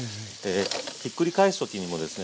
ひっくり返す時にもですね